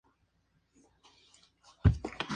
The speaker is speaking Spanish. Son considerados recursos valiosos para el estudio de Jeju.